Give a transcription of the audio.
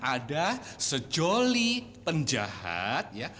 ada sejoli penjahat ya